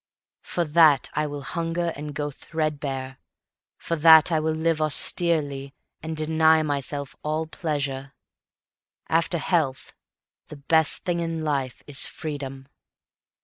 For that I will hunger and go threadbare; for that I will live austerely and deny myself all pleasure. After health, the best thing in life is freedom.